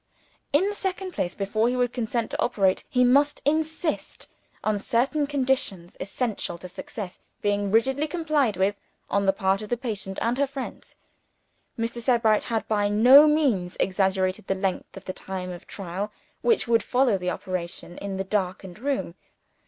In the second place, before he would consent to operate, he must insist on certain conditions, essential to success, being rigidly complied with, on the part of the patient and her friends. Mr. Sebright had by no means exaggerated the length of the time of trial which would follow the operation, in the darkened room.